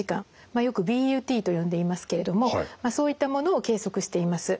よくＢＵＴと呼んでいますけれどもそういったものを計測しています。